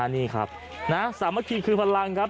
นี่ครับสามัคคีคือพลังครับ